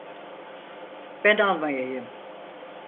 Ben almayayım.